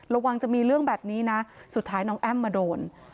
ระวังจะมีเรื่องแบบนี้นะสุดท้ายน้องแอ้มมาโดน